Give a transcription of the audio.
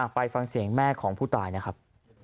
ไปฟังเสียงแม่ของผู้ตายนะครับ